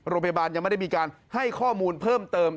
โรงพยาบาลยังไม่ได้มีการให้ข้อมูลเพิ่มเติม